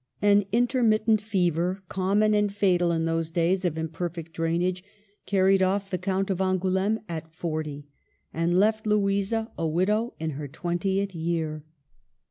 An intermittent fever, common and fatal in those days of imperfect drainage, carried off the Count of Angouleme at forty, and left Louisa a widow in her twentieth year.